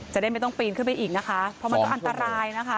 จะได้ไม่ต้องปีนขึ้นไปอีกนะคะเพราะมันก็อันตรายนะคะ